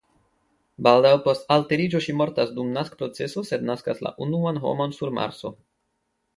Baldaŭ post alteriĝo ŝi mortas dum naskproceso sed naskas la unuan homon sur Marso.